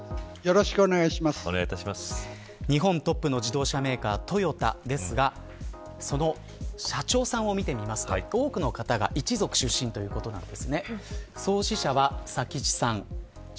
日本トップの自動車メーカートヨタですがその社長さんを見てみますと多くの方が一族出身ということなんです。